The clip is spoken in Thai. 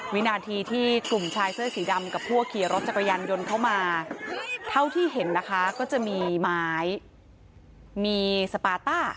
วินาทีที่กลุ่มชายเสื้อสีดำกับพวกขี่รถจักรยานยนต์เข้ามาเท่าที่เห็นนะคะก็จะมีไม้มีสปาต้า